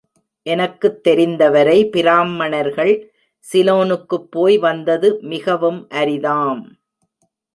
எனக்குத் தெரிந்தவரை, பிராம்மணர்கள் சிலோனுக்குப் போய் வந்தது மிகவும் அரிதாம்.